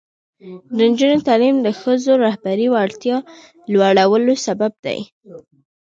د نجونو تعلیم د ښځو رهبري وړتیا لوړولو سبب دی.